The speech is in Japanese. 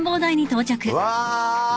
うわ。